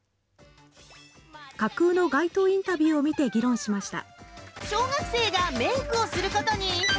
架空の街頭インタビューを見て議論しました。